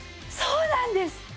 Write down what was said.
そうなんです。